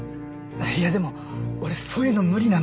いやでも俺そういうの無理なんで。